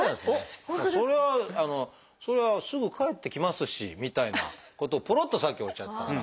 「それはすぐ返ってきますし」みたいなことをぽろっとさっきおっしゃってたから。